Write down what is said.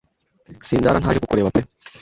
sindara ntaje kukureba pe